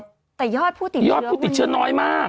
แต่ยอดผู้ติดเชื้อยอดผู้ติดเชื้อน้อยมาก